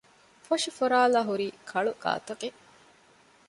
ފޮށި ފުރާލާ ހުރީ ކަޅު ގާތަކެއް